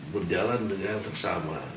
berjalan dengan seksama